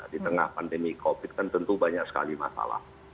di tengah pandemi covid kan tentu banyak sekali masalah